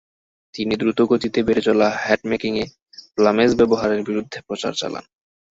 তিনি দ্রুত গতিতে বেড়ে চলা হ্যাটমেকিংয়ে প্লামেজ ব্যবহারের বিরুদ্ধে প্রচার চালান।